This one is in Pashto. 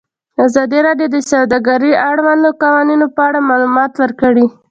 ازادي راډیو د سوداګري د اړونده قوانینو په اړه معلومات ورکړي.